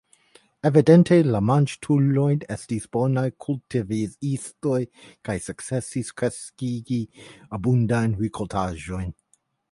Evidente la Manĝtuloj estis bonaj kultivistoj kaj sukcesis kreskigi abundajn rikoltaĵojn.